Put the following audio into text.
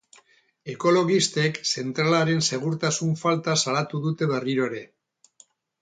Ekologistek zentralaren segurtasun falta salatu dute berriro ere.